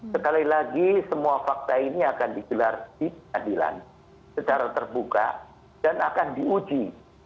sekali lagi semua fakta ini akan digelar di adilan secara terbuka dan akan diuji